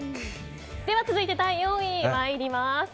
続いて第４位に参ります。